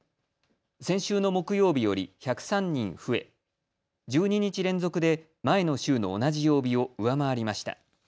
先週の木曜日より１０３人増え、１２日連続で前の週の同じ曜日を上回りました。